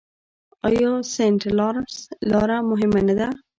آیا سینټ لارنس لاره مهمه نه ده؟